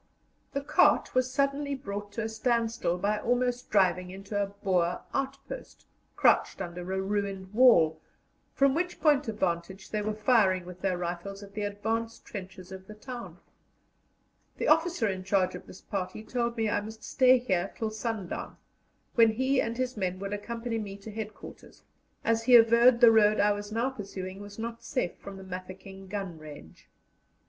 The cart was suddenly brought to a standstill by almost driving into a Boer outpost, crouched under a ruined wall, from which point of vantage they were firing with their rifles at the advance trenches of the town. The officer in charge of this party told me I must stay here till sundown, when he and his men would accompany me to headquarters, as he averred the road I was now pursuing was not safe from the Mafeking gun range.